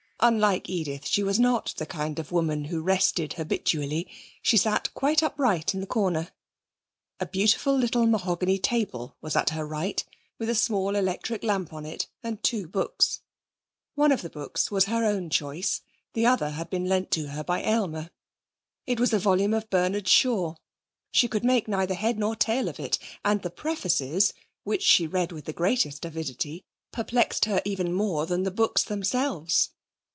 Unlike Edith, she was not the kind of woman who rested habitually; she sat quite upright in the corner. A beautiful little mahogany table was at her right, with a small electric lamp on it, and two books. One of the books was her own choice, the other had been lent to her by Aylmer. It was a volume of Bernard Shaw. She could make neither head nor tail of it, and the prefaces, which she read with the greatest avidity, perplexed her even more than the books themselves.